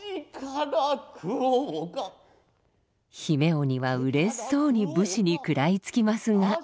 姫鬼はうれしそうに武士に食らいつきますが。